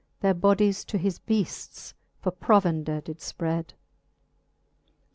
Their bodies to his beafts for provender did fprcd.